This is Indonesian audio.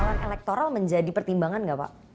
masalah elektoral menjadi pertimbangan gak pak